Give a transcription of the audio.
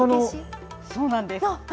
そうなんです。